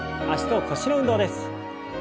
脚と腰の運動です。